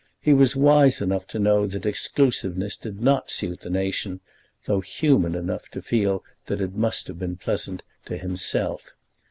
He was wise enough to know that exclusiveness did not suit the nation, though human enough to feel that it must have been pleasant to himself.